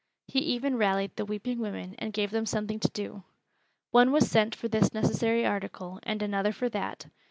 He even rallied the weeping women and gave them something to do. One was sent for this necessary article and another for that.